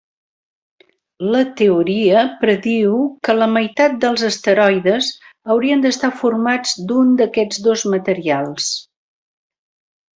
La teoria prediu que la meitat dels asteroides haurien d'estar formats d'un d'aquests dos materials.